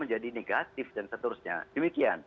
jadi negatif dan seterusnya